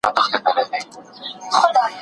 تېر هېر کړو.